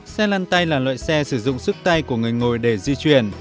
xe lăn tay là loại xe sử dụng sức tay của người ngồi để di chuyển